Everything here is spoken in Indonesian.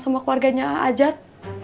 sama keluarganya ajat